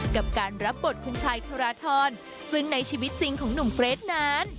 กับการรับบทคุณชายธรทรซึ่งในชีวิตจริงของหนุ่มเกรทนั้น